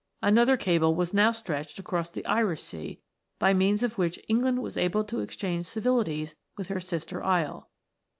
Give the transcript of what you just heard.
Another cable was now stretched across the Irish Sea, by means of which England was able to ex change civilities with her sister isle.